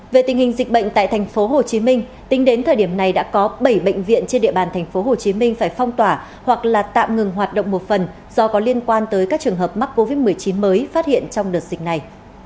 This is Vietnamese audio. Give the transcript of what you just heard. về tình hình dịch bệnh tại tp hcm tính đến thời điểm này đã có bảy bệnh viện trên địa bàn tp hcm phải phong tỏa hoặc tạm ngừng hoạt động một phần do có liên quan tới các trường hợp mắc covid một mươi chín mới phát hiện trong đợt dịch này